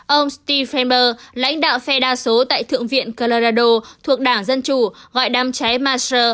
ông steve framber lãnh đạo phe đa số tại thượng viện colorado thuộc đảng dân chủ gọi đám cháy marshall